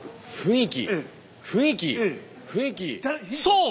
そう！